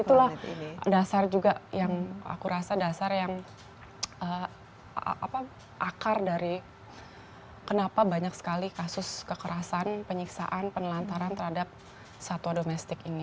itulah dasar juga yang aku rasa dasar yang akar dari kenapa banyak sekali kasus kekerasan penyiksaan penelantaran terhadap satwa domestik ini